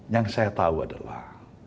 yang saya tahu adalah